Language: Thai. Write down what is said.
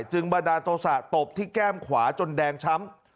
จึงบรรดาโตศะตบที่แก้มขวาจนแดงช้ำ